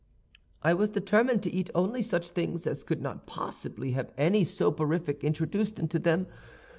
"I was determined to eat only such things as could not possibly have anything soporific introduced into them.